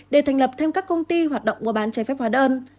để thành lập thêm các công ty hoạt động mua bán trái phép hóa đơn